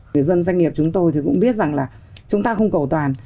người dân doanh nghiệp chúng tôi thì cũng biết rằng là chúng ta không cầu toàn